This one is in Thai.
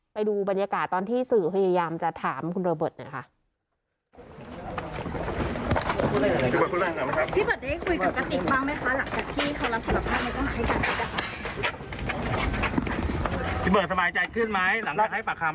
ไปดูบรรยากาศตอนที่สื่อพยายามจะถามคุณโรเบิร์ตหน่อยค่ะ